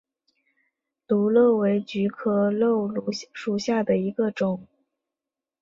漏芦为菊科漏芦属下的一个种。